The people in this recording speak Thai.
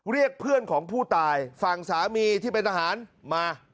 เรียกเพื่อนของผู้ตายฝั่งสามีที่เป็นทหารมา